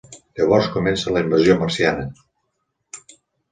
Llavors comença la invasió marciana.